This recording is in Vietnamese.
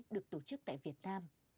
được tổ chức tại việt nam